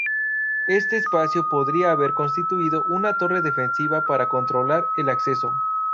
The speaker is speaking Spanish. Este espacio podría haber constituido una torre defensiva para controlar el acceso.